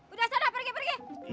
udah sadar pergi pergi